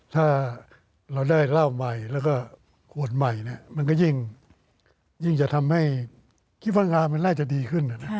ถ้าเราได้เหล้าใหม่แล้วก็ขวดใหม่มันก็ยิ่งจะทำให้คิดว่างานมันน่าจะดีขึ้น